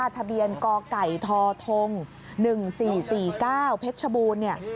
ทะเบียนกไก่ททง๑๔๔๙เพชรบูรณ์